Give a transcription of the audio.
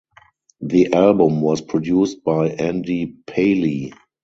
The album was produced by Andy Paley.